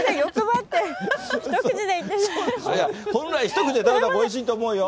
本来、一口で食べたほうがおいしいと思うよ。